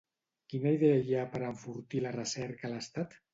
Quina idea hi ha per enfortir la recerca a l'estat?